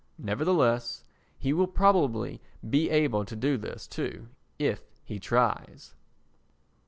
Nevertheless he will probably be able to do this too if he tries.